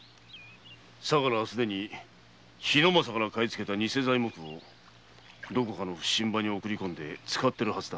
相良はすでに桧政から買い付けた偽材木をどこかの普請場に送り込んで使っているはずだ。